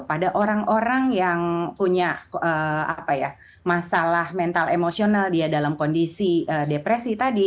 pada orang orang yang punya masalah mental emosional dia dalam kondisi depresi tadi